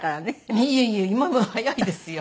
いえいえ今も速いですよ。